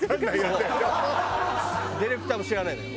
ディレクターも知らないんだよ。